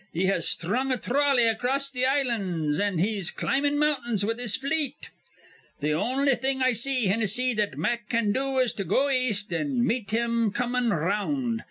He has sthrung a throlley acrost th' islands, an' he's climbin' mountains with his fleet. Th' on'y thing I see, Hinnissy, that Mack can do is to go east an' meet him comin' r round.